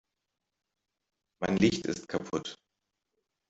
Mein Licht ist kaputt.